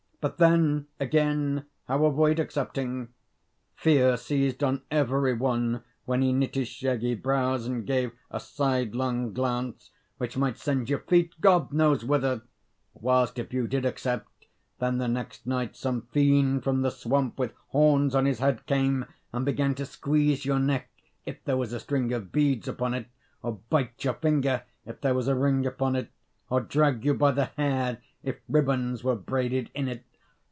But then, again, how to avoid accepting? Fear seized on every one when he knit his shaggy brows, and gave a sidelong glance which might send your feet God knows whither: whilst if you did accept, then the next night some fiend from the swamp, with horns on his head, came and began to squeeze your neck, if there was a string of beads upon it; or bite your finger, if there was a ring upon it; or drag you by the hair, if ribbons were braided in it.